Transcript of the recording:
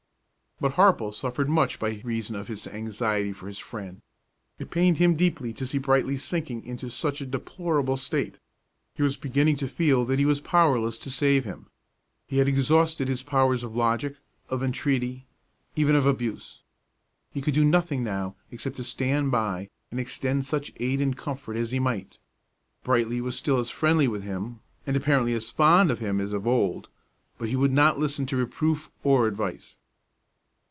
But Harple suffered much by reason of his anxiety for his friend. It pained him deeply to see Brightly sinking into such a deplorable state; he was beginning to feel that he was powerless to save him. He had exhausted his powers of logic, of entreaty, even of abuse. He could do nothing now except to stand by and extend such aid and comfort as he might. Brightly was still as friendly with him and apparently as fond of him as of old; but he would not listen to reproof or advice.